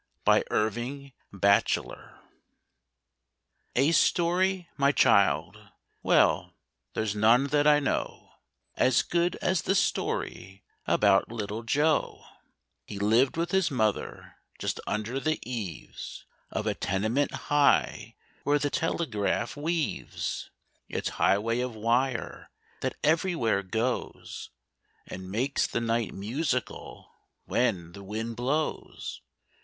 BY IRVING BACHELLER A story, my child? Well, there's none that I know As good as the story about little Joe. He lived with his mother, just under the eaves Of a tenement high, where the telegraph weaves Its highway of wire, that everywhere goes, And makes the night musical when the wind blows.